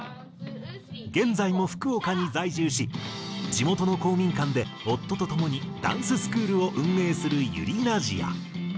現在も福岡に在住し地元の公民館で夫と共にダンススクールを運営するｙｕｒｉｎａｓｉａ。